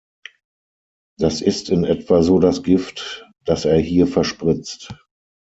Das ist in etwa so das Gift, das er hier verspritzt.